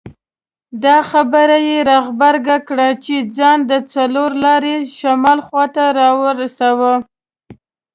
دا خبره یې را غبرګه کړه چې ځان د څلور لارې شمال خواته راورساوه.